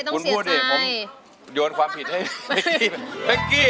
คุณพูดดิผมโยนความผิดให้แม็กกี้